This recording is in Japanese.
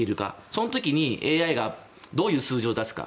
その時にＡＩがどういう数字を出すか。